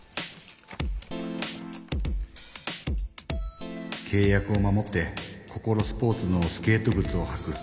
心の声けい約を守ってココロスポーツのスケートぐつをはく。